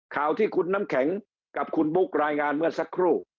ข่าวที่คุณน้ำแข็งกับคุณบุ๊ครายงานเมื่อสักครู่